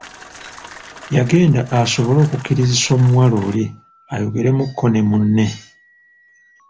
Yagenda asobole okukkirizisa omuwala oli ayogeremuuko ne munne.